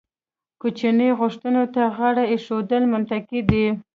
کوچنۍ غوښتنو ته غاړه ایښودل منطقي دي.